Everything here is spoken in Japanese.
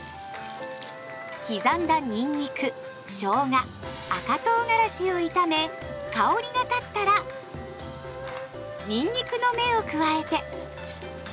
刻んだにんにくしょうが赤とうがらしを炒め香りが立ったらにんにくの芽を加えて。